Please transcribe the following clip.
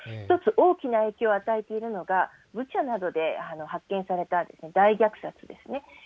一つ大きな影響を与えているのが、ブチャなどで発見された大虐殺ですね。